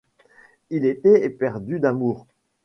Il était éperdu d’amour.